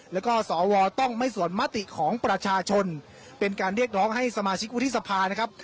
แล้วก็สวต้องไม่สวนมติของประชาชนเป็นการเรียกร้องให้สมาชิกวุฒิสภานะครับ